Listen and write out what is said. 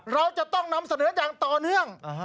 เราจะต้องนำเสนออย่างต่อเนื่อง